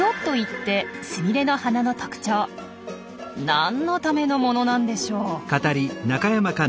何のためのものなんでしょう？